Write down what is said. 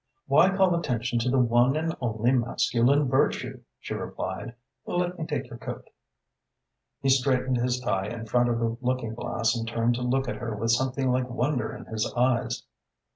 "Why call attention to the one and only masculine virtue?" she replied. "Let me take your coat." He straightened his tie in front of the looking glass and turned to look at her with something like wonder in his eyes.